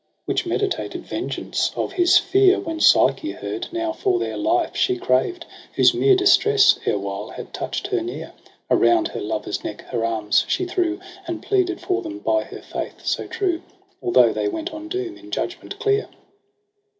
Which meditated vengeance of his fear When Psyche heard, now for their life she craved. Whose mere distress erewhile had toucht her near. Around her lover's neck her arms she threw, And pleaded for them by her faith so true. Although they went on doom in judgment clear.